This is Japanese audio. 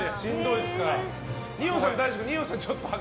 二葉さん、大丈夫？